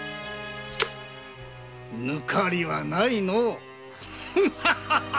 ぬかりはないのう。